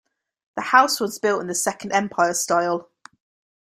The house was built in the Second Empire style.